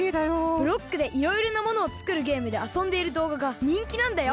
ブロックでいろいろなものをつくるゲームであそんでいるどうががにんきなんだよ！